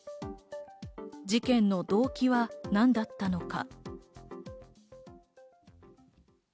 事件の動機は何だったのか？